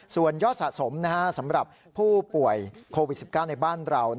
ส่วนยอดสะสมสำหรับผู้ป่วยโควิด๑๙ในบ้านเรา